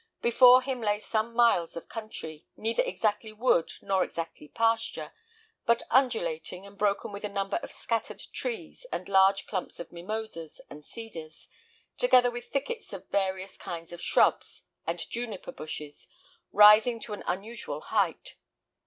Before him lay some miles of country, neither exactly wood nor exactly pasture, but undulating, and broken with a number of scattered trees, and large clumps of mimosas and cedars, together with thickets of various kinds of shrubs, and juniper bushes, rising to an unusual height.